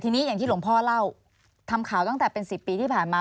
ทีนี้อย่างที่หลวงพ่อเล่าทำข่าวตั้งแต่เป็น๑๐ปีที่ผ่านมา